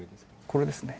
これですね